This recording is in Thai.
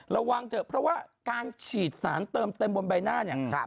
ระวังเถอะเพราะว่าการฉีดสารเติมเต็มบนใบหน้าเนี่ย